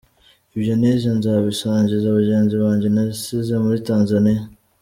Ibyo nize nzabisangiza bagenzi banjye nasize muri Tanzania”.